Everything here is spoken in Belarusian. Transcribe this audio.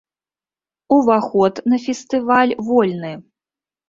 Уваход на фестываль вольны.